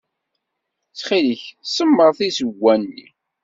Ttxil-k, semmeṛ tizewwa-nni.